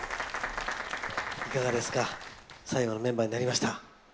いかがですか、最後のメンバーになりました。